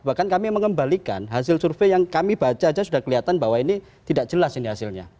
bahkan kami mengembalikan hasil survei yang kami baca saja sudah kelihatan bahwa ini tidak jelas ini hasilnya